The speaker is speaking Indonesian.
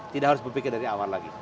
tidak harus berpikir dari awal lagi